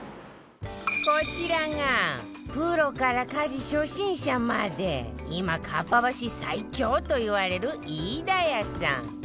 こちらがプロから家事初心者まで今かっぱ橋最強といわれる飯田屋さん